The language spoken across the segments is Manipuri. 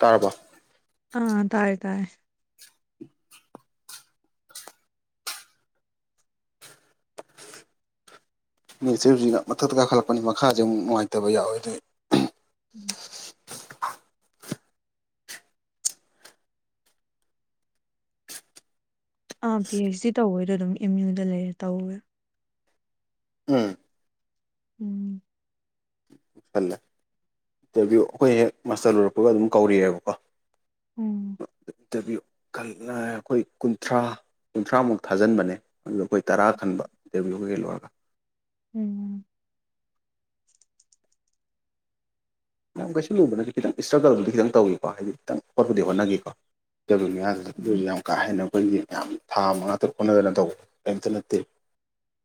ꯇꯔꯕ ꯑꯥ ꯇꯥꯔꯦ ꯇꯥꯔꯦ ꯎ ꯃꯤꯁꯦ ꯍꯧꯖꯤꯛꯅ ꯃꯊꯛꯇ ꯀꯥꯈꯠꯂꯛꯄꯅꯤ ꯃꯈꯥꯁꯦ ꯑꯃꯨꯛ ꯅꯨꯉꯥꯏꯕꯌꯥꯎꯋꯦ ꯑꯗꯨꯏ ꯎꯝ ꯑꯥ ꯄꯤ ꯑꯩꯩꯆ ꯗꯤ ꯇꯧꯕꯗꯣ ꯑꯗꯨꯝ ꯑꯦꯝ ꯌꯨꯗ ꯂꯩꯔ ꯇꯧꯋꯦ ꯎꯝ ꯎꯝ ꯈꯜꯂꯦ ꯏꯟꯇꯔꯚꯤꯌꯨ ꯑꯩꯈꯣꯏ ꯍꯦꯛ ꯃꯥꯁꯇꯔ ꯂꯣꯏꯔꯛꯄꯒ ꯑꯗꯨꯝ ꯀꯧꯔꯤꯑꯦꯕꯀꯣ ꯎꯝ ꯇꯕꯤꯌꯨ ꯑꯩꯈꯣꯏ ꯀꯨꯟꯊ꯭ꯔꯥ ꯀꯨꯟꯊ꯭ꯔꯥꯃꯨꯛ ꯊꯥꯖꯤꯟꯕꯅꯦ ꯑꯗꯨ ꯑꯩꯈꯣꯏ ꯇꯔꯥ ꯈꯟꯕ ꯗꯕ꯭ꯨꯌꯀ ꯂꯣꯏꯔꯒ ꯎꯝ ꯀꯩꯁꯨ ꯂꯨꯕ ꯅꯠꯇꯦꯗ ꯏꯁꯇ꯭ꯔꯒꯜꯕꯨ ꯗꯤ ꯈꯤꯇꯪ ꯇꯧꯏꯀꯣ ꯍꯥꯏꯗꯤ ꯈꯤꯇꯪ ꯍꯣꯠꯄꯗꯤ ꯍꯣꯠꯅꯒꯤꯀꯣ ꯏꯟꯇꯔꯕꯨ꯭ꯌꯅꯦ ꯍꯥꯕꯗꯨꯗ ꯑꯗꯨꯏꯁꯨ ꯀꯥ ꯍꯦꯟꯅ ꯑꯩꯈꯣꯏꯒꯤ ꯌꯥꯝ ꯊꯥ ꯃꯉꯥ ꯇꯔꯨꯛ ꯍꯣꯠꯅꯗꯅ ꯇꯧꯕ ꯀꯔꯤꯝꯇ ꯅꯠꯇꯦ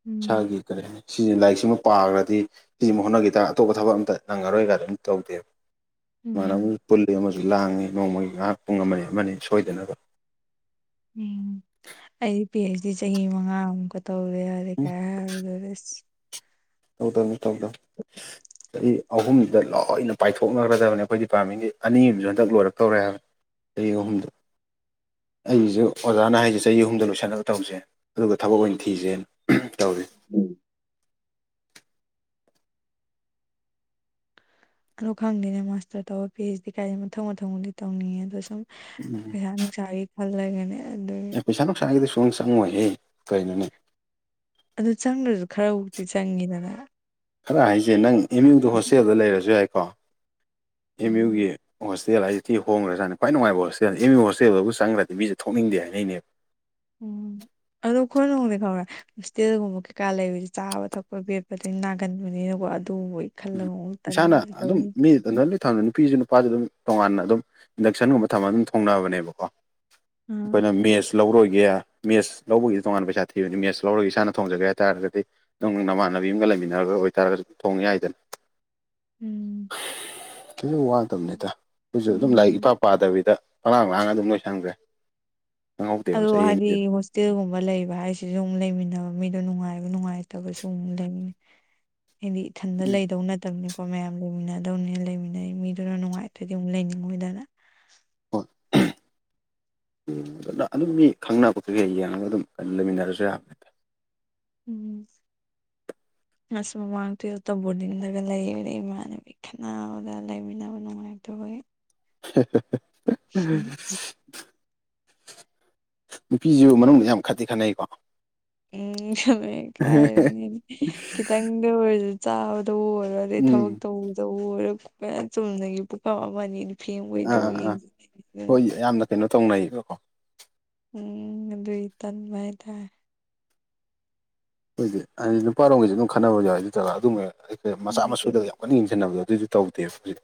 ꯎꯝ ꯏꯁꯥꯒꯤ ꯀꯔꯤ ꯍꯥꯏꯅꯤ ꯁꯤ ꯂꯥꯏꯔꯤꯛꯁꯤꯃ ꯄꯥꯈ꯭ꯔꯗꯤ ꯁꯤꯃ ꯍꯣꯠꯅꯈꯤꯗ ꯑꯇꯣꯞꯄ ꯊꯕꯛ ꯑꯃꯝꯇ ꯅꯪꯉꯔꯣꯏ ꯀꯗ ꯑꯗꯨꯝ ꯇꯧꯗꯦꯕ ꯃꯥꯟꯅ ꯎꯝ ꯄꯨꯜꯂꯤ ꯑꯃꯁꯨ ꯂꯥꯡꯉꯤ ꯅꯣꯡꯃꯒꯤ ꯉꯥꯏꯍꯥꯛ ꯄꯨꯡ ꯑꯃꯅꯤ ꯑꯃꯅꯤ ꯁꯣꯏꯗꯅꯕ ꯎꯝ ꯑꯩ ꯄꯤ ꯑꯩꯆ ꯗꯤ ꯆꯍꯤ ꯃꯉꯥꯃꯨꯛꯀ ꯇꯧꯔꯦꯔꯦ ꯎꯝ ꯀꯥꯏꯗ ꯇꯧꯗꯝꯅꯦ ꯇꯩꯗꯝ ꯆꯍꯤ ꯑꯍꯨꯝꯗ ꯂꯣꯏꯅ ꯄꯥꯏꯊꯣꯛꯅꯈ꯭ꯔꯗꯕꯅꯤ ꯑꯩꯈꯣꯏ ꯗꯤꯄꯥ꯭ꯔꯠꯃꯦꯟꯒꯤ ꯑꯅꯤ ꯑꯝꯖꯨ ꯍꯥꯟꯗꯛ ꯂꯣꯏꯔꯛꯇꯧꯔꯦ ꯍꯥꯏꯕ ꯆꯍꯤ ꯑꯍꯨꯝꯗ ꯑꯩꯒꯤꯁꯨ ꯑꯣꯖꯥꯅ ꯍꯥꯏꯁꯦ ꯆꯍꯤ ꯑꯍꯨꯝꯗ ꯂꯣꯏꯁꯟꯅꯕ ꯇꯧꯁꯦ ꯑꯗꯨꯒ ꯊꯕꯛ ꯑꯣꯏꯅ ꯊꯤꯖꯦꯅ ꯇꯧꯋ ꯎꯝ ꯑꯗꯣ ꯈꯪꯗꯦꯅꯦ ꯃꯥꯁꯇꯔ ꯇꯧꯔ ꯄꯤ ꯑꯩꯆ ꯀꯥꯏꯗꯦ ꯃꯊꯪ ꯃꯊꯪꯕꯨꯗꯤ ꯇꯧꯅꯤꯡꯉꯦ ꯑꯗꯣ ꯁꯨꯝ ꯎꯝ ꯁꯥ ꯅꯨꯡꯁꯥꯒꯤ ꯈꯜꯂꯒꯅꯦ ꯑꯗꯨ ꯑꯦ ꯄꯩꯁꯥ ꯅꯨꯡꯁꯥꯒꯤꯗꯤ ꯁꯨꯡꯆꯪ ꯆꯪꯉꯣꯏꯍꯦ ꯀꯩꯅꯣꯅꯦ ꯑꯗꯨ ꯆꯪꯗ꯭ꯔꯁꯨ ꯈꯔꯕꯨꯨꯛꯇꯤ ꯆꯪꯉꯤꯗꯅ ꯈꯔ ꯍꯥꯏꯁꯦ ꯅꯪ ꯑꯦꯝ ꯌꯨꯗꯣ ꯍꯣꯁꯇꯦꯜꯗ ꯂꯩꯔꯁꯨ ꯌꯥꯏꯀꯣ ꯑꯦꯝ ꯎꯝ ꯌꯨꯒꯤ ꯍꯣꯁꯇꯦꯜ ꯍꯣꯇꯦꯜ ꯍꯥꯏꯁꯤꯗꯤ ꯍꯣꯡꯈ꯭ꯔꯥꯅ ꯈ꯭ꯋꯥ ꯅꯨꯡꯉꯥꯏ ꯍꯣꯁꯇꯦꯜꯗꯤ ꯑꯦꯝꯌꯨ ꯍꯣꯇꯦꯜꯕꯨ ꯆꯪꯈ꯭ꯔꯗꯤ ꯃꯤꯁꯦ ꯊꯣꯛꯅꯤꯡꯗꯦ ꯍꯥꯏꯅꯩꯅꯦ ꯎꯝ ꯑꯗꯣꯈꯣꯏ ꯂꯣꯡꯗꯦ ꯈꯥꯎꯔꯦ ꯍꯣꯁꯇꯦꯜꯒꯨꯝꯕ ꯀꯩꯀꯥ ꯂꯩꯕꯁ ꯆꯥꯕ ꯊꯛꯄ ꯕꯦꯠꯄꯗ ꯅꯥꯒꯟꯕꯅꯤꯅꯀꯣ ꯑꯗꯨꯨꯝꯕꯒꯤ ꯈꯜꯂ ꯃꯑꯣꯡ ꯇꯅꯤꯡ ꯇꯧꯅꯤ ꯑꯗꯂꯤ ꯊꯝ ꯅꯨꯄꯤꯁꯨ ꯅꯨꯄꯥꯁꯨ ꯑꯗꯨꯝ ꯇꯣꯉꯥꯟꯅ ꯑꯗꯨꯝ ꯏꯟꯗꯛꯁꯟꯒꯨꯝꯕ ꯊꯝꯃꯒ ꯑꯗꯨꯝ ꯊꯣꯡꯅꯕꯅꯦꯕꯀꯣ ꯑ ꯄꯅ ꯃꯁ ꯂꯧꯔꯣꯏꯒꯦ ꯃꯦꯠꯁ ꯂꯧꯕꯒꯤꯗꯤ ꯇꯣꯉꯥꯟꯥꯟꯕ ꯄꯩꯁꯥ ꯊꯤꯕꯅꯤ ꯃꯦꯁ ꯂꯧꯔꯒ ꯏꯁꯥꯅ ꯊꯣꯡꯖꯒꯦ ꯍꯥꯏꯇꯥꯔꯒꯗꯤ ꯑꯗꯨꯝ ꯅꯃꯥꯟꯅꯕꯤ ꯑꯃꯒ ꯂꯩꯃꯤꯟꯅꯔꯒ ꯑꯣꯏꯇꯥꯔꯒꯁꯨ ꯊꯣꯡꯉꯦ ꯍꯥꯏꯗꯅ ꯎꯝ ꯀꯈꯤꯁꯨꯪ ꯋꯥꯗꯕꯅꯤꯗ ꯑꯩꯈꯣꯏꯁꯨ ꯑꯗꯨꯝ ꯂꯥꯏꯔꯤꯛ ꯑꯗꯨꯒꯤ ꯏꯄꯥ ꯄꯥꯗꯕꯤꯗ ꯍꯂꯥꯡ ꯂꯥꯡ ꯑꯗꯨꯝ ꯂꯣꯏ ꯁꯪꯗ꯭ꯔꯦ ꯑ ꯍꯥꯏꯗꯤꯁ ꯍꯇꯦꯜꯒꯨꯝꯕ ꯂꯩꯕ ꯍꯥꯏꯁꯤꯁꯨ ꯑꯃꯨꯛ ꯂꯩꯃꯤꯟꯅꯕ ꯃꯤꯗꯣ ꯅꯨꯡꯉꯥꯏꯕ ꯅꯨꯡꯉꯥꯏꯇꯕꯁꯨ ꯑꯃꯨꯛ ꯂꯩꯃꯤꯟꯅꯩ ꯍꯥꯏꯗꯤ ꯏꯊꯟꯗ ꯂꯩꯗꯧ ꯅꯠꯇꯕꯅꯤꯣ ꯀꯣ ꯃꯌꯥꯝ ꯂꯩꯃꯤꯟꯅꯗꯧꯅꯤ ꯂꯩꯃꯤꯟꯅꯩ ꯃꯤꯗꯨꯅ ꯅꯨꯡꯉꯥꯏꯇꯣꯏꯗꯤ ꯑꯃꯨꯛ ꯂꯩꯅꯤꯡꯉꯣꯏꯗꯅ [unintelligible] ꯑꯗꯨ ꯑꯗꯨꯝ ꯃꯤ ꯈꯪꯅꯕ ꯀꯩ ꯍ ꯌꯦꯡꯉꯒ ꯑꯗꯨꯝ ꯂꯩꯃꯤꯟꯅꯔꯁꯨ ꯌꯥꯕꯅꯤ ꯎꯝ ꯑ ꯃ ꯉꯥꯡꯇꯣꯏ ꯑꯇꯣꯞ ꯕꯣꯔꯗꯤꯡꯂꯒ ꯂꯩꯗꯩ ꯏꯃꯥꯟꯅꯕꯤ ꯈꯠꯅꯕꯗ ꯂꯩꯃꯤꯟꯅꯕ ꯅꯨꯡꯉꯥꯏꯇꯕꯒꯤ ꯎ ꯅꯨꯄꯤꯁꯨ ꯃꯅꯨꯡꯗ ꯌꯥꯝ ꯈꯠꯇꯦ ꯈꯅꯩꯀꯣ ꯎꯝ ꯉꯝꯃꯦ ꯀꯥꯏꯔꯤꯉꯩꯗꯤ ꯈꯤꯇꯪꯗ ꯑꯣꯏꯔꯁꯨ ꯆꯥꯕꯗ ꯑꯣꯏꯔ ꯑꯗꯩ ꯎꯝ ꯊꯕꯛ ꯇꯧꯗꯔꯄꯌꯥꯝ ꯆꯨꯝꯅꯒꯤ ꯄꯨꯈꯞ ꯑꯃꯅꯤ ꯐꯦꯡꯕꯩꯗꯧ ꯑꯥ ꯑꯥ ꯌꯦꯡꯁꯤ ꯍꯣꯏ ꯌꯥꯝꯅ ꯀꯩꯅꯣ ꯇꯧꯅꯩꯌꯦꯕꯀꯣ ꯎꯝ ꯑꯗꯨ ꯑꯗꯨ ꯇꯟ ꯃꯥꯥꯏꯗ ꯑꯩꯈꯣꯏꯗꯤ ꯍꯥꯏꯗꯤ ꯅꯨꯄꯥꯔꯣꯝꯒꯤꯁꯨ ꯑꯗꯨꯝ ꯈꯟꯅꯕ ꯌꯥꯏ ꯑꯗꯨ꯭ꯔꯒ ꯑꯗꯨꯝ ꯑꯩ ꯎꯝ ꯃꯆꯥ ꯃꯁꯨꯗꯒ ꯌꯥꯝ ꯀꯟꯅ ꯌꯦꯡꯁꯤꯟꯅꯕꯗꯣ ꯑꯗꯨꯏꯁꯨ ꯇꯧꯗꯦꯕ ꯍꯧꯖꯤꯛ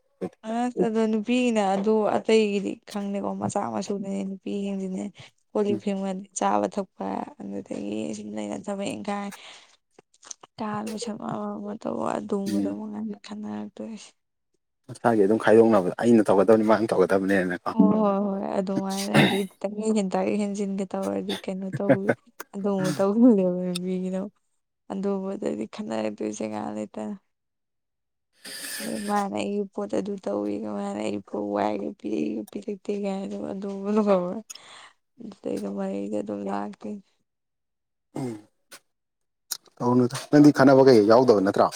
ꯑꯁ ꯑꯗꯣ ꯅꯨꯄꯤꯅ ꯑꯗꯨ ꯑꯇꯩꯒꯤꯗꯤ ꯈꯪꯗꯦꯀꯣ ꯃꯆꯥ ꯃꯁꯨꯅꯅꯦ ꯅꯨꯄꯤꯁꯤꯡꯁꯤꯅꯦ ꯀꯣꯂꯤꯞ ꯑꯩꯈꯣꯏꯗꯤ ꯐꯦꯡꯒꯜ ꯆꯥꯕ ꯊꯛꯄ ꯑꯗꯨꯗꯒꯤ ꯁꯨꯝ ꯂꯩꯅ ꯊꯕꯛ ꯏꯪꯈꯥꯏ ꯇꯥ ꯄꯁꯠ ꯃꯥ ꯃ ꯇ ꯑꯗꯨꯃꯗ ꯃꯉꯥꯏ ꯈꯥꯟꯅ ꯇꯁꯦ ꯃꯁꯥꯒꯤ ꯑꯗꯨꯝ ꯈꯥꯏꯗꯣꯛꯅꯕꯗ ꯑꯩꯅ ꯊꯧꯒꯗꯕꯅꯤ ꯃꯥꯅ ꯊꯧꯒꯗꯕꯅꯦꯅ ꯍꯣꯏ ꯍꯣꯏ ꯍꯣꯏ ꯑꯗꯨꯃꯥꯏꯅ ꯑꯗꯨꯗꯤ ꯈꯤꯇꯪ ꯍꯦꯟꯇ ꯍꯦꯟꯖꯤꯟꯒꯦ ꯇꯧꯔꯗꯤ ꯀꯩꯅꯣ ꯇꯧꯒꯦ ꯑꯗꯨ ꯇꯧ ꯕꯤꯅꯣ ꯑꯗꯨꯕꯨꯗꯗꯤ ꯈꯟꯅꯔꯦꯛꯇꯣꯏꯁꯦ ꯉꯥꯏ ꯂꯩꯇꯅ ꯃꯥꯅ ꯏ ꯄꯣꯠꯇꯗꯨ ꯇꯧ ꯃꯥꯅ ꯏ ꯐꯣꯏꯒ ꯄꯤꯔꯛꯏ ꯄꯤꯔꯛꯇꯦ ꯀꯥꯏꯅ ꯑꯗꯨ ꯑꯗꯨ ꯀꯔꯦ ꯒ ꯃꯒ ꯑꯗꯨꯝ ꯂꯥꯛꯀꯦ ꯧ ꯅꯪꯗꯤ ꯈꯟꯅꯅꯕ ꯀꯩꯀꯩ ꯌꯥꯎꯗꯕ ꯅꯠꯇ꯭ꯔꯥ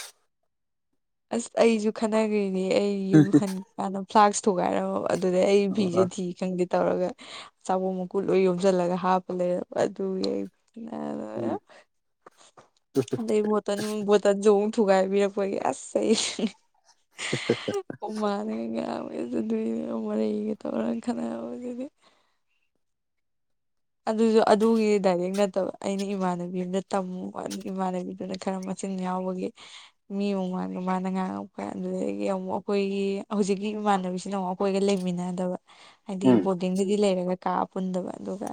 ꯑꯁ ꯑꯩꯁꯨ ꯈꯠꯟꯅꯈ꯭ꯅꯦ ꯑꯩ ꯌꯨꯝ ꯍꯟ ꯀꯥꯟꯗ ꯐ꯭ꯂꯥꯛꯁ ꯊꯨꯒꯥꯏꯔꯝꯃꯕ ꯑꯗꯨꯗꯩ ꯑꯩ ꯐꯤꯁꯦ ꯊꯤ ꯈꯪꯗꯦ ꯇꯧꯔꯒ ꯆꯥꯕꯣ ꯃꯀꯨꯠ ꯂꯣꯏ ꯌꯣꯝꯁꯤꯜꯂꯒ ꯍꯥꯞꯄ ꯂꯩꯔ ꯌꯥ ꯎꯝ ꯑꯗ ꯕꯣꯠꯇ ꯖ ꯊꯨꯒꯥꯏꯕꯤꯔꯛꯄꯒꯦ ꯑꯁ [inaudible] ꯎꯃꯥꯟꯅꯒ ꯑꯗꯨ ꯑꯗꯨꯅꯦ ꯃꯔꯒ ꯇꯧꯔ ꯈꯅ ꯑꯗꯨꯗꯤ ꯑꯗꯨꯁꯨ ꯑꯗꯨꯒꯤꯗꯤ ꯗꯥꯏꯔꯦꯛ ꯅꯠꯇꯕ ꯑꯩꯅ ꯏꯃꯥꯟꯅꯕꯤ ꯑꯃꯗ ꯇꯝꯃꯨ ꯏꯃꯥꯟꯅꯕꯤꯗꯨꯅ ꯈꯔ ꯃꯁꯤꯡ ꯌꯥꯎꯕꯒꯤ ꯃꯤ ꯑꯃꯨꯛ ꯃꯥꯡꯗ ꯃꯥꯅ ꯉꯥꯡꯉꯛꯄ ꯑꯗꯨꯗꯒꯤ ꯑꯃꯨꯛ ꯑꯩꯈꯣꯏꯒꯤ ꯍꯧꯖꯤꯛꯀꯤ ꯏꯃꯥꯟꯅꯕꯤꯁꯤꯅ ꯑꯃꯨꯛ ꯀꯣꯏꯒ ꯂꯩꯃꯤꯟꯅꯗꯕ ꯍꯥꯏꯗꯤ ꯎꯝ ꯕꯣꯔꯗꯤꯡꯗꯗꯤ ꯂꯩꯔꯒ ꯀꯥꯑ ꯄꯨꯟꯗꯕ ꯑꯗꯨꯒ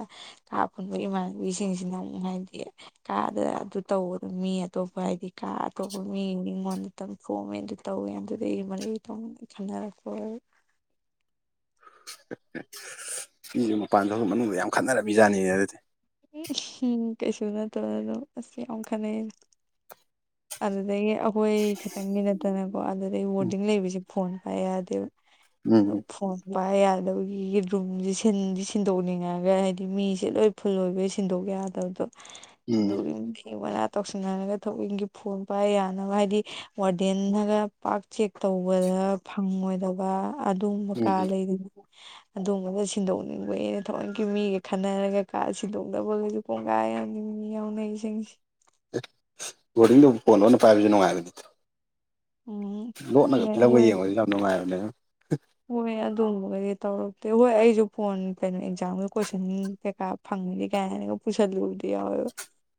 ꯀꯥ ꯈꯨꯨꯟꯕ ꯏꯃꯥꯟꯅꯕꯤꯁꯤꯡꯁꯤꯅ ꯑꯃꯨꯛ ꯍꯥꯏꯗꯤ ꯀꯥꯗ ꯑꯗꯨ ꯇꯧ ꯑꯗꯨ ꯃꯤ ꯑꯇꯣꯞꯄ ꯍꯥꯏꯗꯤ ꯀꯥ ꯑꯇꯣꯞꯄ ꯃꯤꯉꯣꯟ ꯈꯤꯇꯪ ꯈꯣꯝꯃꯦ ꯑꯗꯨ ꯇꯧꯋꯦ ꯑꯗꯨꯗꯤ ꯑꯩ ꯃꯔꯩꯇ ꯈꯅꯔꯛꯄ ꯃꯤꯁꯨ ꯃꯄꯥꯟ ꯊꯣꯛ ꯃꯅꯨꯡꯗ ꯌꯥꯝ ꯈꯠꯅꯔꯝꯃꯤꯖꯥꯠꯅꯤꯅꯦ ꯑꯗꯨꯗꯤ ꯎꯝ ꯀꯩꯁꯨ ꯅꯠꯇ꯭ꯔꯗꯝ ꯑꯁ ꯌꯥꯝ ꯈꯟꯅꯩ ꯑꯗꯨꯗꯒꯤ ꯑꯩꯈꯣꯏ ꯈꯇꯪꯒꯤ ꯅꯠꯇꯅꯀꯣ ꯑꯗꯨꯗꯒꯤꯩ ꯎꯝ ꯋꯥꯔꯗꯤꯡ ꯂꯩꯕꯁꯤ ꯐꯣꯟ ꯐ ꯌꯥꯗ ꯅ ꯎꯝ ꯐꯣꯟ- ꯃꯥꯏ ꯌꯥꯅꯗꯕꯒꯤ ꯃꯤꯒꯤꯔꯨꯝꯖꯦ ꯁꯤꯟꯗꯤ ꯁꯤꯟꯗꯣꯛꯅꯤꯡꯉꯥꯒ ꯍꯥꯏꯗꯤ ꯃꯤꯁꯦ ꯂꯣꯏ ꯐꯨꯜ ꯑꯣꯏꯕꯩ ꯁꯤꯟꯗꯣꯛ ꯌꯥꯗꯕꯗꯣ ꯑꯗꯨ ꯎꯝ ꯒꯤꯒꯔ ꯇꯧꯁꯤꯟꯅꯔꯒ ꯊꯧꯑꯣꯏꯒꯤ ꯐꯣꯟ ꯄꯥꯏ ꯌꯥꯅꯕ ꯍꯥꯏꯗꯤ ꯋꯥꯔꯗꯦꯟꯅꯒ ꯄꯥꯛ ꯆꯦꯛ ꯇꯧꯕꯗ ꯐꯪꯉꯣꯏꯗꯕ ꯑꯗꯨꯝꯕ ꯎꯝ ꯀꯥꯟ ꯎꯝ ꯂꯩꯗꯅ - ꯑꯗꯨꯝꯕꯒ ꯁꯤꯟꯗꯣꯛꯅꯤꯡꯕꯩ ꯑꯩꯅ ꯊꯥꯑꯣꯏꯀꯤ ꯃꯤꯒ ꯈꯟꯅꯔꯒ ꯀꯥ ꯁꯤꯟꯗꯣꯛꯅꯕ - ꯄꯨꯟꯒꯥꯏ ꯑꯃꯅꯤ ꯃꯤꯃꯤ ꯌꯥꯎꯅꯩ ꯖꯤꯡꯖꯦ ꯑꯦ ꯣꯔꯗꯤꯡꯗꯣ ꯐꯣꯟ ꯂꯣꯟꯅ ꯄꯥꯏꯕꯁꯨ ꯅꯨꯡꯉꯥꯏꯕꯅꯤ ꯎꯝ ꯈꯪꯗꯦ ꯂꯣꯠꯅꯒ ꯐꯤꯜꯂꯞꯒ ꯑꯩꯈꯣꯏ ꯌꯦꯡꯉꯒꯁꯨ ꯌꯥꯝ ꯅꯨꯡꯉꯥꯏꯕꯅꯦ ꯑꯗꯨ ꯍꯣꯏ ꯑꯗꯨꯝꯕꯒꯗꯤ ꯇꯧꯔꯛꯇꯦ ꯍꯣꯏ ꯑꯩꯁꯨ ꯐꯣꯟ ꯀꯩꯅꯣ ꯑꯦꯛꯖꯥꯝꯒꯤ ꯀꯣꯏꯁꯟ ꯄꯦꯛꯀꯥꯞ ꯐꯪꯉꯗꯤ ꯀꯥꯏꯅꯅꯒ ꯄꯨꯁꯜꯂꯨꯕꯗꯤ ꯌꯥꯎꯋꯦꯕ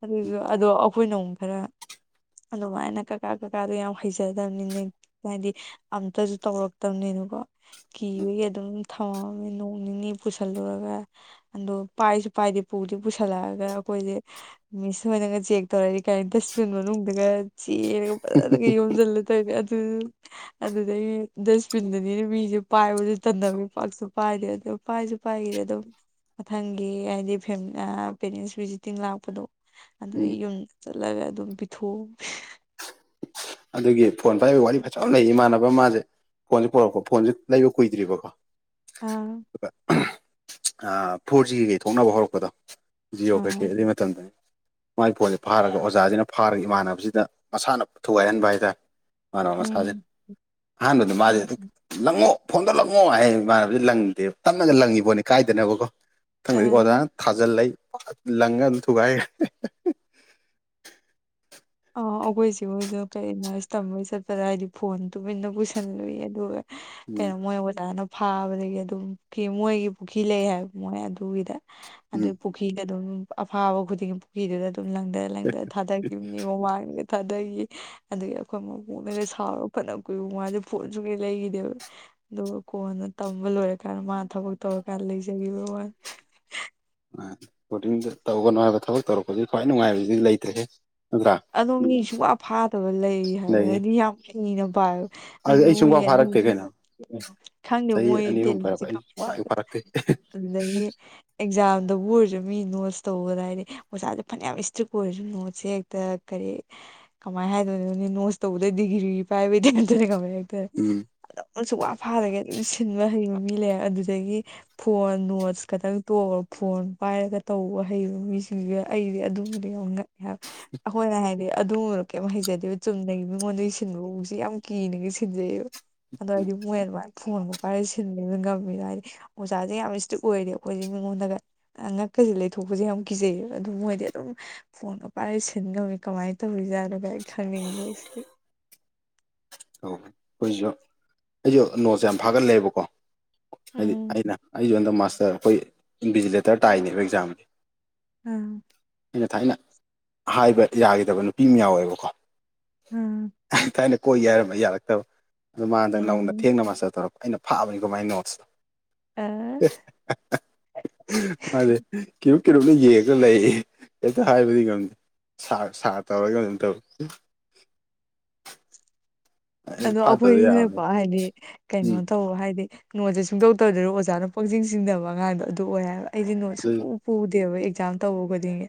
ꯑꯗꯨꯁꯨ ꯑꯗꯣ ꯑꯩꯈꯣꯏꯅ ꯑꯃꯨꯛ ꯈꯔ ꯑꯗꯨꯃꯥꯏꯅ ꯀꯀꯥ ꯀꯀꯥꯗꯣ ꯌꯥꯝ ꯍꯩꯖꯗꯕꯅꯤꯅꯦ ꯍꯥꯏꯗꯤ ꯑꯝꯇꯁꯨ ꯇꯧꯔꯛꯇꯕꯅꯤꯅꯀꯣ ꯀꯤꯕꯒꯤ ꯑꯗꯨꯝ ꯊꯝꯃꯝꯃꯦ ꯅꯣꯡ ꯅꯤꯅꯤ ꯄꯨꯁꯜꯂꯨꯔꯒ ꯗꯣ ꯄꯥꯏꯁꯨ ꯄꯥꯏꯗꯦ ꯄꯨꯖꯨ ꯄꯨꯁꯜꯂꯛꯑꯒ ꯑꯩꯈꯣꯏꯖꯦ ꯃꯤꯁꯣꯏꯗꯅꯒ ꯆꯦꯛ ꯇꯧꯔꯛꯑꯗꯤ ꯀꯩꯝꯇ ꯏꯁꯀꯔ꯭ꯤꯟ ꯃꯅꯨꯡꯗꯒ ꯆꯦꯟ - ꯐꯖꯅꯒ ꯌꯣꯝꯖꯤꯜꯂ ꯇꯧꯏꯃꯦ ꯑꯗꯨ ꯑꯗꯨꯗꯩ ꯗꯁꯕꯤꯟꯗꯅꯤꯅ ꯃꯤ - ꯄꯥꯏꯕꯖꯨ ꯇꯟꯅꯕꯒꯤ ꯄꯥꯛꯁꯨ ꯄꯥꯏꯗꯦ ꯑꯗꯨ ꯄꯥꯏꯖꯨ ꯄꯥꯏꯒꯤꯗꯦ ꯑꯗꯨꯝ ꯅꯪꯒꯤ ꯍꯥꯏꯗꯤ ꯄꯦꯔꯦꯟꯁ ꯚꯤꯖꯤꯇꯤꯡ ꯂꯥꯛꯄꯗꯣ ꯑꯗꯨ ꯎꯝ ꯑꯩ ꯌꯨꯝ ꯆꯠꯂꯒ ꯑꯗꯨꯝ ꯄꯤꯊꯣꯛꯃꯦ ꯑꯗꯨꯒꯤ ꯐꯣꯟ ꯐꯥꯏꯕ ꯋꯥꯔꯤ ꯐꯖꯕ ꯑꯃ ꯂꯩꯌꯦ ꯏꯃꯥꯟꯅꯕ ꯑꯃ ꯃꯥꯖꯦ ꯐꯣꯟꯖꯦ ꯄꯨꯔꯛꯄ ꯐꯣꯟꯖꯦ ꯂꯩꯕ ꯀꯨꯏꯗ꯭ꯔꯤꯕꯀꯣ ꯑꯥ ꯑꯗꯨꯒ ꯑ ꯐꯣꯔ ꯖꯤ ꯒ ꯊꯣꯛꯅꯕ ꯍꯧꯔꯛꯄꯗꯣ ꯖꯤꯑꯣ ꯀꯩꯀꯩ ꯑꯗꯨꯏ ꯃꯇꯝꯗꯨꯅꯤ ꯃꯥꯒꯤ ꯐꯣꯟꯖꯦ ꯐꯥꯔꯒ ꯑꯣꯖꯥꯖꯤꯅ ꯐꯥꯔꯒ ꯏꯃꯥꯟꯅꯕꯁꯤꯗ ꯃꯁꯥꯅ ꯊꯨꯒꯥꯏꯍꯟꯕ ꯍꯥꯏꯇꯥꯔꯦ ꯏꯃꯥꯟꯅꯕ ꯃꯁꯥꯖꯤꯅ ꯑꯍꯥꯟꯕꯗ ꯃꯥꯁꯦ ꯑꯗꯨꯝ - ꯂꯪꯉꯣ ꯐꯣꯟꯗ ꯂꯪꯉꯣ ꯍꯥꯏ ꯃꯥꯥꯟꯅꯕꯖꯦ ꯂꯪꯗꯦꯕ ꯇꯞꯅꯒ ꯂꯪꯉꯤꯄꯣꯠꯅꯤ ꯀꯥꯏꯗꯅꯕꯀꯣ ꯗꯩꯩ ꯑꯣꯖꯥꯅ ꯊꯥꯖꯤꯜꯂꯛꯏ ꯐꯥꯛ ꯂꯪꯉꯥ ꯑꯗꯨꯝ ꯊꯨꯒꯥꯏꯒꯔ꯭ꯦ ꯑ ꯑꯩꯈꯣꯏ ꯆꯦ ꯍꯣꯏꯖꯨ ꯀꯩ ꯅꯥꯔ꯭ꯁ ꯇꯝꯕꯒꯤ ꯆꯠꯄꯗ ꯍꯥꯏꯗꯤ ꯐꯣꯟ ꯇꯨꯃꯤꯟꯅ ꯄꯨꯁꯥꯅꯕꯒꯤ ꯑꯗꯨꯒ ꯎꯝ ꯀꯩꯅꯣ ꯃꯣꯏ ꯑꯣꯖꯥꯅ ꯐꯥꯕꯗꯒꯤ ꯑꯗꯨꯝ ꯃꯣꯏꯒꯤ ꯄꯨꯈꯤ ꯂꯩ ꯍꯥꯏꯕ ꯃꯣꯏ ꯑꯗꯨꯒꯤꯗ ꯎꯝ ꯑꯗꯨꯏ ꯄꯨꯈꯤꯗ ꯑꯗꯨꯝ ꯑꯐꯥꯕ ꯈꯨꯗꯤꯡꯒꯤ ꯄꯨꯈꯤꯗꯨꯗꯥ ꯑꯗꯨꯝ ꯂꯪꯗ ꯂꯪꯗ ꯊꯥꯗꯒꯤꯕꯅꯤ ꯃꯥꯡꯗ ꯊꯥꯗꯩꯩꯌꯦ ꯑꯗꯨꯒꯤ ꯑꯩꯈꯣꯏ ꯃꯕꯣꯛꯅꯒ ꯁꯥꯎꯔ ꯐꯅ ꯀꯨꯏꯕꯨ ꯃꯖꯦ ꯐꯣꯟ ꯁꯨꯛꯂꯩ ꯂꯩꯒꯤꯗꯦꯕ ꯑꯗꯨꯒ ꯀꯣꯟꯅ ꯇꯝꯕ ꯂꯣꯏꯔꯀꯥꯟꯗ ꯃꯥ ꯊꯕꯛ ꯇꯧꯔꯀꯥꯟꯗ ꯂꯩꯖꯒꯤꯕꯩ ꯋꯥ ꯑ ꯕꯣꯗꯤꯡꯗ ꯇꯧꯒꯅꯣ ꯍꯥꯏꯕ ꯊꯕꯛ ꯇꯧꯔꯛꯄꯒꯤ ꯈ꯭ꯋꯥꯏ ꯅꯨꯡꯉꯥꯏꯕꯖꯤꯗꯤ ꯂꯩꯇꯔꯦꯍꯦ ꯅꯠꯇ꯭ꯔꯥ ꯑꯗꯣ ꯃꯤ ꯁꯨꯛꯐꯥ ꯐꯥꯗꯕ ꯂꯩ ꯍꯥꯏꯕ ꯂꯩꯌꯦ ꯍꯥꯏꯗꯤ ꯃꯤꯌꯥꯝ ꯍꯩꯅ ꯄꯥꯏ ꯑꯗꯨ ꯍꯥꯏꯗꯤ ꯑꯩ ꯃꯣꯏ ꯁꯨꯡꯐꯥ ꯑꯗꯨꯝ ꯐꯥꯔꯛꯇꯦ ꯀꯩꯅꯣ ꯈꯪꯗꯦ ꯆꯍꯤ ꯃꯣꯏ ꯑꯅꯤ ꯑꯍꯨꯝ ꯐꯥꯔꯛꯄ ꯑꯩ ꯁꯨꯡꯐꯥ ꯍꯦꯛ ꯐꯥꯔꯛꯇꯦ [unintelligible] ꯗꯒꯤ ꯑꯦꯛꯖꯥꯝꯗꯕꯨ ꯑꯣꯏꯔꯖꯨ ꯃꯤ ꯅꯣꯠꯁ ꯇꯧꯕꯗ ꯍꯥꯏꯗꯤ ꯑꯣꯖꯥꯥꯖꯦ ꯐꯅꯌꯥꯝ ꯏꯁꯇ꯭ꯔꯤꯛ ꯑꯣꯏꯔꯁꯨ ꯅꯣꯠꯁ ꯁꯦ ꯀꯔꯤ ꯀꯃꯥꯏ ꯍꯥꯏꯗꯣꯏꯅꯣꯅꯦ ꯅꯣꯁ ꯇꯧꯕꯗ ꯗꯤꯒꯤꯔꯤ ꯄꯥꯏꯕꯩ ꯇꯥꯏꯞꯇꯅꯦ ꯈꯪꯕꯔꯥꯍꯦ ꯎꯝ ꯑꯗꯨꯝ ꯁꯨꯛꯐ ꯐꯥꯗꯒꯩ ꯑꯗꯨꯝ ꯁꯤꯟꯕ ꯍꯩꯕ ꯃꯤ ꯂꯩꯕ ꯑꯗꯨꯗꯒꯤ ꯐꯣꯟ ꯅꯣꯠꯁ ꯈꯛꯇꯪ ꯇꯣꯛꯑꯣ ꯐꯣꯟ ꯄꯥꯏꯔꯒ ꯇꯧꯕ ꯍꯩꯕ ꯃꯤꯁꯤꯡꯗꯨꯒ ꯑꯩꯗꯤ ꯑꯗꯨꯃꯥꯗꯤ ꯌꯥꯝꯉꯛ [inaudible] ꯑꯈꯣꯏꯅ ꯍꯥꯏꯗꯤ ꯑꯗꯨꯝꯕꯗꯨ ꯀꯩꯝ ꯍꯩꯖꯗꯦꯕ ꯆꯨꯝꯅꯒꯤ ꯃꯤꯉꯣꯟꯗꯒꯤ ꯁꯤꯟꯕꯕꯨꯖꯦ ꯌꯥꯝ ꯀꯤꯅꯒ ꯁꯤꯟꯖꯩꯕ ꯑꯗꯣ ꯃꯣꯏ ꯑꯗꯨꯃꯥꯏꯅ ꯐꯣꯟꯒ ꯄꯥꯏꯔ ꯁꯤꯟꯕꯅꯤꯅ ꯉꯝꯃꯤꯕ ꯍꯥꯏꯗꯤ ꯑꯣꯖꯥꯖꯦ ꯌꯥꯝꯅ ꯏꯁꯇ꯭ꯔꯤꯛ ꯑꯣꯏꯔꯗꯤ ꯈꯣꯏꯗꯤ ꯃꯤꯉꯣꯡꯗꯒ ꯉꯛꯀꯖꯦ ꯂꯩꯊꯣꯛꯄꯖꯦ ꯌꯥꯝ ꯀꯤꯖꯩꯌꯦꯕ ꯑꯗꯨ ꯃꯣꯏꯗꯤ ꯑꯗꯨꯝ ꯐꯣꯟꯒ ꯄꯥꯏꯔꯒ ꯁꯤꯟ ꯁꯤꯗ ꯃꯤ ꯀꯃꯥꯏ ꯇ ꯄꯨꯖꯥꯔ ꯀꯩ ꯈ ꯏꯂꯤꯁꯤ ꯑꯣ ꯑꯩꯈꯣꯏꯁꯨ ꯑꯩꯁꯨ ꯅꯣꯠꯁꯦ ꯌꯥꯝ ꯐꯥꯒꯂꯕꯀꯣ ꯍꯥꯏꯗꯤ ꯎꯝ ꯑꯩꯅ ꯑꯩ ꯌꯣꯟꯗ ꯃꯥꯁꯇꯔ ꯑꯩꯈꯣꯏ ꯏꯟꯚꯤꯖꯤꯂꯦꯇꯔ ꯇꯥꯏꯅꯦꯕ ꯑꯦꯛꯖꯥꯝꯁ ꯎꯝ ꯑꯩꯅ ꯊꯥꯏꯅ ꯍꯥꯏꯕ ꯌꯥꯈꯤꯗꯕ ꯅꯨꯄꯤ ꯑꯃ ꯌꯥꯎꯋꯦꯕꯀꯣ ꯎꯝ ꯊꯥꯏꯅ ꯀꯣꯏꯒꯦ ꯍꯥꯏꯔꯝꯕ ꯌꯥꯔꯛꯇꯕ ꯑꯗꯨ ꯃꯥꯗ ꯅꯧꯅ ꯎꯝ ꯊꯦꯡꯅ ꯃꯥꯁꯇꯔ ꯇꯧꯔꯛꯄ ꯑꯩꯅ ꯐꯥꯛꯑꯕꯅꯤꯀꯣ ꯃꯥꯏ ꯅꯣꯠꯁꯇꯣ ꯑꯥ ꯃꯥꯗꯤ ꯀꯣ ꯀꯩꯅꯣꯝꯅ ꯌꯦꯡꯉꯒ ꯂꯩ ꯍꯦꯛꯇ ꯍꯥꯏꯕꯗꯤ ꯉꯝꯗꯦ ꯁꯥ ꯁꯥꯔ ꯇꯧꯔꯒ ꯀꯃꯥꯏꯅ ꯇꯧꯋ ꯇꯧꯋꯤ ꯑꯗꯣ ꯐꯥꯠꯇꯕꯗꯤ ꯌꯥꯕꯅꯤ ꯑꯩꯈꯣꯏꯁꯤꯅꯀꯣ ꯍꯥꯏꯗꯤ ꯀꯩꯅꯣ ꯎꯝ ꯇꯧ ꯍꯥꯏꯗꯤ ꯅꯣꯠꯖꯦ ꯁꯨꯛꯇꯧ ꯇꯧꯗꯕꯤ ꯑꯣꯖꯥꯅ ꯄꯪꯖꯤꯡ ꯆꯤꯡꯅꯕ ꯑꯉꯥꯡꯗꯣ ꯑꯗꯨ ꯑꯣꯏ ꯍꯥꯏꯕ ꯑꯩ ꯅꯣꯠꯁ ꯑꯗꯨ ꯁꯨꯛꯄꯨ ꯄꯨꯗꯦꯕ ꯑꯦꯛꯖꯥꯝ ꯇꯧꯕ ꯈꯨꯗꯤꯡꯒꯤ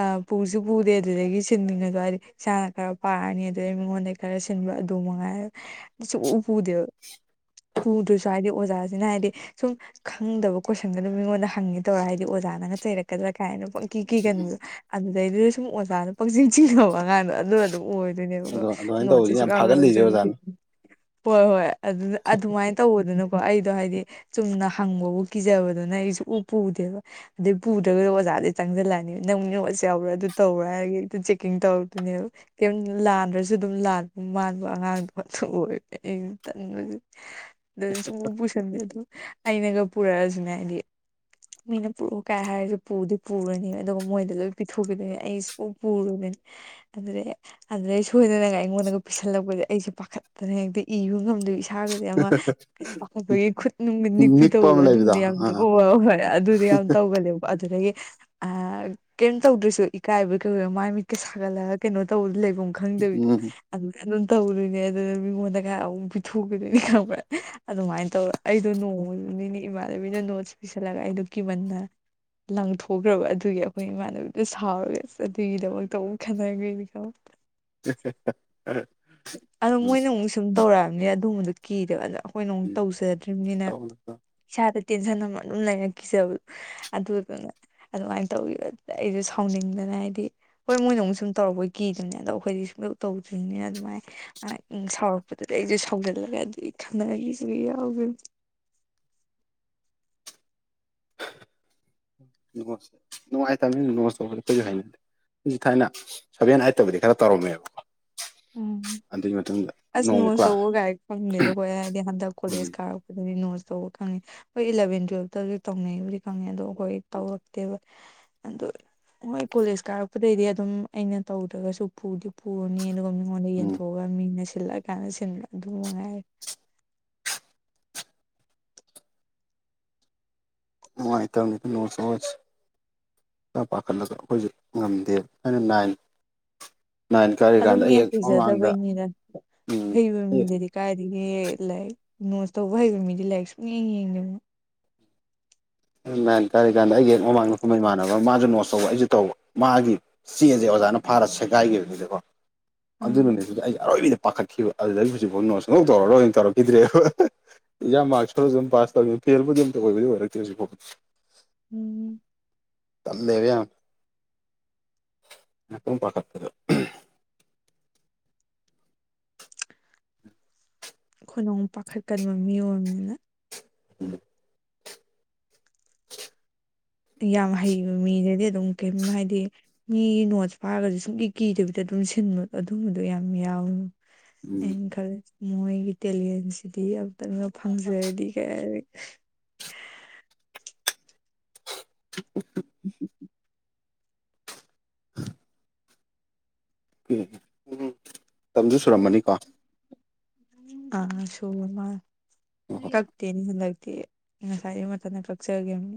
ꯑ ꯄꯨꯖꯨ ꯄꯨꯗꯦ ꯑꯗꯨꯗꯒꯤ ꯁꯤꯟꯃꯤꯡꯅꯕ ꯍꯥꯏꯗꯤ ꯏꯁꯥꯅ ꯈꯔ ꯄꯥꯔꯅꯤ ꯑꯗꯨꯗꯩ ꯃꯤꯉꯣꯟꯗꯒꯤ ꯈꯔ ꯁꯤꯟꯕ ꯃꯉꯥꯏꯔꯦ ꯑꯩꯗꯤ ꯁꯨꯛꯄꯨ ꯄꯨꯗꯦꯕ ꯎꯗ꯭ꯔꯁꯨ ꯍꯥꯏꯗꯤ ꯑꯣꯖꯥꯁꯤꯅ ꯍꯥꯏꯗꯤ ꯁꯨꯝ ꯈꯪꯗꯕ ꯀꯣꯏꯁꯟꯒꯗꯣ ꯃꯤꯉꯣꯟꯗ ꯍꯪꯒꯦ ꯇꯧꯔ ꯍꯥꯏꯗꯤ ꯑꯣꯖꯥꯅ ꯆꯩꯔꯛꯀꯗ꯭ꯔꯥ ꯀꯥꯏꯅ - ꯀꯤꯒꯟꯕꯗꯣ ꯑꯗꯨꯗꯩꯗꯨꯗ ꯁꯨꯝ ꯑꯣꯖꯥꯅ ꯄꯪꯖꯤꯟ ꯆꯤꯡꯅꯕ ꯑꯉꯥꯡꯗꯣ ꯑꯗꯨ ꯑꯣꯏꯗꯣꯏꯅꯦꯕꯀꯣ ꯑꯗꯣ ꯑꯗꯨꯃꯥꯏꯅ ꯅꯣꯠꯁ ꯁꯦ ꯇꯧꯕꯁꯤꯅ ꯌꯥꯝ ꯁꯨꯛꯌꯥꯎ ꯐꯥꯒꯠꯂꯤꯁꯦ ꯌꯥꯎꯖ ꯑꯣꯖꯥꯅ ꯍꯣꯏ ꯍꯣꯏ ꯑꯗꯨꯗ ꯑꯗꯨꯃꯥꯏꯅ ꯇꯧꯕꯗꯨꯅꯕꯨ - ꯑꯩꯗꯣ ꯍꯥꯏꯗꯤ ꯆꯨꯝꯅ ꯍꯪꯕꯕꯨ ꯀꯤꯖꯕꯗꯨꯅ ꯑꯩ ꯁꯨꯛꯄꯨ ꯄꯨꯗꯦꯕ ꯑꯗꯨ ꯄꯨꯗꯔꯥꯒ ꯑꯣꯖꯥꯖꯦ ꯆꯪꯖꯜꯂꯛꯑꯅꯤ ꯅꯪ ꯅꯣꯠꯁ ꯌꯥꯎꯕ꯭ꯔꯥ ꯑꯗꯨ ꯇꯧꯕꯔꯥ ꯍꯥꯏꯔꯒ ꯍꯦꯛꯇ ꯆꯦꯛꯀꯤꯡ ꯇꯧꯔꯛꯇꯣꯏꯅꯦꯕ ꯀ ꯂꯥꯟꯗ꯭ꯔꯁꯨ ꯑꯗꯨꯝ ꯂꯥꯟ ꯃꯥꯟꯕ ꯑꯉꯥꯡꯗꯣ ꯑꯗꯨ ꯑꯣꯏꯕ ꯑꯩꯁꯨ ꯇꯟꯕ ꯑꯗꯨ ꯁꯨꯝ ꯈꯟꯗ ꯑꯗꯣ ꯑꯩꯅꯒ ꯄꯨꯔꯛꯑꯁꯨꯅꯦ ꯍꯥꯏꯗꯤ ꯃꯤꯅ ꯄꯨꯔꯛꯎ ꯀꯥꯏ ꯍꯥꯏꯔꯁꯨ ꯄꯨꯗꯤ ꯄꯨꯔꯅꯤ ꯑꯗꯨꯒ ꯃꯣꯏꯗ ꯂꯣꯏ ꯄꯤꯊꯣꯛꯈꯤꯗꯣꯏꯅꯤ ꯑꯩꯁꯨ ꯄꯨꯔꯨꯕꯅꯤ ꯑꯦ ꯑꯦ ꯆꯣꯏ ꯀꯥꯏ ꯄꯤꯁꯜꯂꯛꯄꯁ ꯑꯩꯁꯦ ꯄꯥꯈꯠꯇꯅ ꯍꯦꯛꯇ ꯏꯕ ꯉꯝꯗꯣꯏꯕ ꯏꯁꯥꯒꯁꯦ ꯑꯃ ꯑꯩꯈꯣꯏꯒꯤ ꯈꯨꯠꯅꯨꯡꯒꯤ ꯅꯤꯛꯄꯤ ꯅꯤꯛꯄ ꯇꯧꯕꯗꯣ ꯑꯃ ꯂꯩꯕꯗꯣ ꯑꯗꯨꯝꯗꯤ ꯌꯥꯝꯅ ꯑꯥ ꯑꯣ ꯑꯣꯏꯔꯦ ꯑꯗꯨꯗꯤ ꯌꯥꯝ ꯇꯧꯒ ꯂꯩꯦꯕ ꯑꯗꯨꯗꯒꯤ ꯀꯩꯝ ꯇꯧꯗ꯭ꯔꯁꯨ ꯏꯀꯥꯏꯕ ꯀꯩꯣ ꯃꯥꯏ ꯃꯤꯠꯀ ꯁꯥꯒꯠꯂꯒ ꯀꯩꯅꯣ ꯇꯧ ꯂꯩꯐꯝ ꯈ ꯈꯪꯗꯕꯤꯗꯣ ꯑꯗꯨꯃꯥꯏꯅ ꯑꯗꯨꯝ ꯇꯧꯗꯣꯏꯅꯦ ꯑꯗꯨꯅ ꯃꯤꯉꯣꯟꯗ ꯈꯔ ꯑꯃꯨꯛ ꯄꯤꯊꯣꯛꯀꯗꯣꯏꯅꯤ ꯈꯪꯕ꯭ꯔ ꯑꯗꯨꯃꯥꯏꯅ ꯇꯧꯔ ꯑꯩꯗꯣ ꯅꯣꯡꯃꯅꯤꯅꯦ ꯏꯃꯥꯟꯅꯕꯤꯅ ꯅꯣꯠꯁ ꯄꯤꯤꯁꯜꯂꯒ ꯑꯩꯗ ꯀꯤꯃꯟꯅ ꯂꯪꯊꯣꯛꯈ꯭ꯔꯕ ꯑꯗꯨꯒꯤ ꯑꯩꯈꯣꯏ ꯏꯃꯥꯟꯅꯕꯤꯗꯨꯣ ꯁꯥꯎꯔꯒꯦ ꯑꯁ ꯑꯗꯨꯒꯤꯗꯃꯛꯇꯕꯨꯛ ꯈꯟꯅꯈꯦ ꯈꯂ ꯎ ꯑꯗꯣ ꯃꯣꯏꯅ ꯑꯃꯨꯛ ꯁꯨꯝ ꯇꯧꯔꯛꯑꯕꯅꯦ ꯑꯗꯨꯒꯨꯝꯝꯕꯕꯗꯨꯣ ꯀꯤꯗꯦꯕ ꯑꯗꯣ ꯑꯩꯈꯣꯏꯅ ꯑꯃ ꯇꯧꯖꯗ꯭ꯔꯤꯕꯅꯤꯅ ꯎꯝ ꯏꯁꯥꯗ ꯇꯦꯟꯁꯟ ꯑꯃ ꯑꯗꯨꯝ ꯂꯩꯔꯛꯈꯤꯁꯕ ꯑꯗꯨꯗꯨꯅ ꯑꯗꯨꯃꯥꯏꯅ ꯇꯧꯤ ꯑꯩꯁꯨ ꯁꯥꯎꯅꯤꯡꯗꯅ ꯍꯥꯏꯗꯤ ꯍꯣꯏ ꯃꯣꯏꯅ ꯑꯃꯨꯛ ꯁꯨꯝ ꯇꯧꯔꯛꯄꯩ ꯀꯤꯗꯨꯅꯦ ꯑꯗꯣ ꯑꯩꯈꯣꯏꯗꯤ ꯁꯨꯡ ꯇꯧꯗ꯭ꯔꯤꯅꯤꯅ ꯑꯗꯨꯃꯥꯏꯅ ꯁꯥꯎꯔꯛꯄꯗꯨꯗꯤ ꯑꯩꯁꯨ ꯁꯥꯎꯒꯜꯂꯒ ꯑꯗꯨ ꯈꯅꯒꯤꯁꯨ ꯌꯥꯎꯒ [unintelligible] ꯅꯦ ꯅꯨꯡꯉꯥꯏ ꯇꯥꯃꯤ ꯅꯃ ꯍꯥꯏ ꯍꯧ ꯊꯥꯏꯅ ꯁꯚꯦꯟ ꯑꯥꯏꯠꯇꯕꯨꯗꯤ ꯈꯔ ꯇꯧꯔꯝꯃꯦꯕꯀꯣ [unintelligible] ꯎꯝ ꯑꯁ ꯅꯣꯡꯃ ꯅꯣꯁ ꯀ꯭ꯂꯥꯁ ꯇꯧꯕ ꯥꯏ ꯐꯪꯗꯦꯗ ꯑꯩꯈꯣꯏ ꯍꯥꯏꯗꯤ ꯍꯟꯗꯛ ꯀꯣꯂꯦꯖ ꯎꯝ ꯀꯥꯔꯛ ꯑꯗꯨ ꯅꯣꯁ ꯇꯧꯕ ꯈꯪꯉꯦ ꯍꯣꯏ ꯏꯂꯚꯦꯟ ꯇꯨꯋꯦꯜꯕꯇ ꯍꯧꯖꯤꯛ ꯇꯧꯅꯩꯕꯨꯗꯤ ꯈꯪꯉꯦ ꯑꯗꯣ ꯑꯩꯈꯣꯏ ꯇꯧꯔꯛꯇꯦꯕ ꯑ ꯍꯣꯏ ꯀꯣꯂꯦꯖ ꯀꯥꯔꯛꯄꯗꯩꯗꯤ ꯑꯗꯨꯝ ꯑꯩꯅ ꯇꯧꯗ꯭ꯔꯒꯁꯨꯗꯤ ꯄꯨꯔꯅꯤ ꯑꯗꯨꯒ ꯑꯩꯉꯣꯟꯗ ꯎꯝ ꯌꯦꯟꯊꯣꯛꯑꯒ ꯃꯤꯅ ꯁꯤꯜꯂꯛꯑ ꯀꯥꯟꯗ ꯁꯤꯟꯕ ꯑꯗꯨ ꯃꯉꯥꯏꯔꯦ ꯅꯨꯡꯉꯥꯏꯇꯝꯅꯤ ꯅꯣꯠꯁ ꯑꯣꯠꯁ ꯇ ꯄꯥꯈꯠꯂꯒ ꯑꯩꯈꯣꯏꯁꯨ ꯉꯝꯗꯦ ꯊꯥꯏꯅ ꯅꯥꯏꯟ ꯅꯥꯏꯟ ꯑꯗꯨ ꯀꯥꯔꯤꯀꯥꯟꯗ ꯃꯤ ꯑꯦꯛ ꯃꯃꯥꯡꯗ ꯍꯩꯖꯗꯕꯩꯅꯤꯗ ꯎꯝ ꯍꯩꯕ ꯃꯤꯗꯗꯤ ꯀꯥꯏꯗꯒꯤ ꯂꯥꯏꯔꯤꯛ ꯅꯣꯠꯁ ꯇꯧꯕ ꯍꯩꯕ ꯃꯤꯗꯤ ꯂꯥꯏꯔꯤꯛ ꯁꯨꯡ ꯌꯦꯡ ꯌꯦꯡꯗꯕ ꯊꯥꯏꯅ ꯅꯥꯏꯟ ꯀꯥꯔꯤ ꯀꯥꯟꯗ ꯑꯩꯒꯤ ꯍꯦꯛ ꯃꯃꯥꯡꯗ ꯐꯝꯕ ꯏꯃꯥꯟꯅꯕ ꯑꯃ ꯃꯥꯁꯨ ꯅꯣꯠꯁ ꯇꯧꯕ ꯑꯩꯁꯨ ꯇꯧꯕ ꯃꯥꯒꯤ ꯆꯦꯁꯦ ꯑꯣꯖꯥꯅ ꯐꯥꯔ ꯁꯦꯒꯥꯏꯈꯤꯕꯗꯨꯗꯀꯣ ꯑꯗꯨ ꯑꯪ ꯅꯨꯃꯤꯠꯇꯨꯗꯤ ꯑꯩ ꯑꯔꯣꯏꯕꯤꯗ ꯄꯥꯈꯠꯈꯤꯕ ꯑꯗꯨꯗꯒꯤ ꯍꯧꯖꯤꯛꯐꯥꯎ ꯅꯣꯠꯁ ꯁꯨꯛꯇꯧ ꯇꯧꯔꯔꯣꯏꯅ ꯇꯧꯔꯛꯈꯤꯗ꯭ꯔꯦꯕ ꯑꯦꯛꯖꯥꯝ ꯃꯥꯔꯛ ꯁꯣꯜꯂꯁꯨ ꯑꯗꯨꯝ ꯄꯥꯁ ꯇꯧꯅꯤ ꯐꯦꯜꯕꯨꯗꯤ ꯑꯝꯇ ꯑꯣꯏꯕꯗꯤ ꯑꯣꯏꯔꯛꯇꯦ ꯍꯧꯖꯤꯛ ꯐꯥꯎ ꯎꯝ ꯇꯜꯂꯦꯕ ꯌꯥꯝ [unintelligible] ꯈꯣꯅꯃꯨꯛ ꯄꯥꯈꯠꯀꯟꯕ ꯃꯤ ꯑꯣꯏꯅꯤꯅ [unintelligible] ꯌꯥꯝ ꯍꯩꯕ ꯃꯤꯗꯗꯤ ꯑꯗꯨꯝ ꯀꯩꯝ ꯍꯥꯏꯗꯤ ꯃꯤꯒꯤ ꯅꯣꯠꯁ ꯐꯥꯔꯒꯁꯨ ꯁꯨꯡꯀꯤ ꯀꯤꯗꯕꯤꯗ ꯑꯗꯨꯝ ꯁꯤꯟꯕ ꯑꯗꯨꯝꯕꯗꯣ ꯌꯥꯝ ꯌꯥꯎꯋꯦ ꯎꯝ ꯑꯩꯅ ꯈꯜꯂꯤ ꯃꯣꯏꯒꯤ ꯇꯦꯂꯦꯟꯁꯤꯗꯤ ꯑꯝꯇꯪꯒ ꯐꯪꯖꯔꯗꯤ ꯀꯥꯏꯅ [inaudible] [inaudible] ꯎꯝ ꯇꯝꯁꯨ ꯁꯨꯔꯝꯃꯅꯤꯀꯣ ꯑ ꯁꯨꯕ ꯃꯥꯜꯂꯦ ꯀꯛꯇꯦꯅꯦ ꯍꯟꯗꯛꯇꯤ ꯉꯁꯥꯏꯗꯤ ꯃꯊꯟꯇ ꯀꯛꯆꯒꯤꯝꯅꯤ